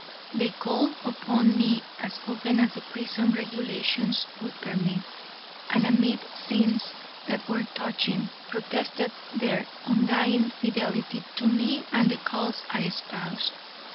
They called upon me as often as the prison regulations would permit, and amid scenes that were touching, protested their undying fidelity to me and the cause I espoused.